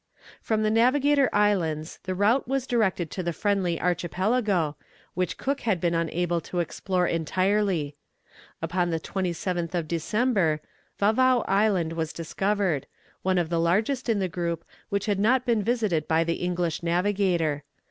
From the Navigator Islands the route was directed to the Friendly Archipelago, which Cook had been unable to explore entirely. Upon the 27th of December, Vavao Island was discovered, one of the largest of the group, which had not been visited by the English navigator.